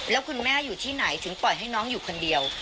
แล้วคุณแม่อยู่ที่ไหนถึงปล่อยให้น้องอยู่คนเดียว